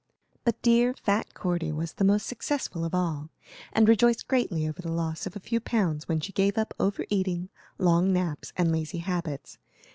But dear, fat Cordy was the most successful of all; and rejoiced greatly over the loss of a few pounds when she gave up over eating, long naps, and lazy habits.